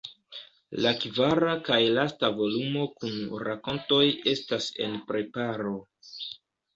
La kvara kaj lasta volumo kun rakontoj estas en preparo.